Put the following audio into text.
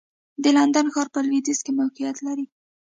د لندن ښار په لوېدیځ کې موقعیت لري.